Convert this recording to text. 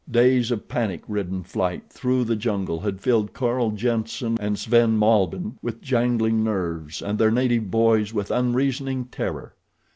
Days of panic ridden flight through the jungle had filled Carl Jenssen and Sven Malbihn with jangling nerves and their native boys with unreasoning terror.